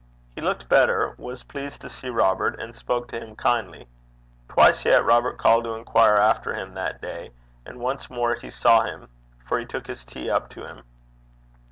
He looked better, was pleased to see Robert, and spoke to him kindly. Twice yet Robert called to inquire after him that day, and once more he saw him, for he took his tea up to him.